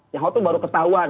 nyaho itu baru ketahuan